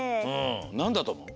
なんだとおもう？